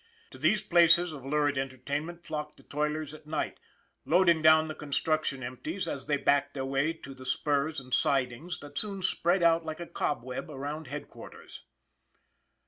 To these places of lurid entertainment flocked the toilers at night, loading down the construction empties as they backed their way to the spurs and sidings that soon spread out like a cobweb around headquarters.